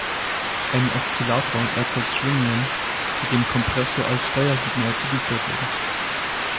Ein Oszillator erzeugt Schwingungen, die dem Kompressor als Steuersignal zugeführt werden.